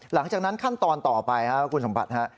หลังจากนั้นขั้นตอนต่อไปครับคุณสมบัติฮะ